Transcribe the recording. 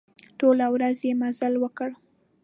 ټوله ورځ يې مزل وکړ.